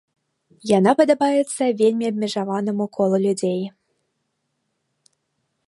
Яна падабаецца вельмі абмежаванаму колу людзей.